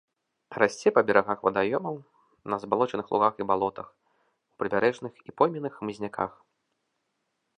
Расце па берагах вадаёмаў, на забалочаных лугах і балотах, у прыбярэжных і пойменных хмызняках.